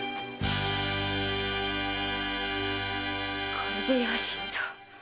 これでよしと！